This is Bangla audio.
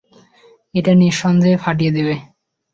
এটা নিঃসন্দেহে ফাটিয়ে দেবে!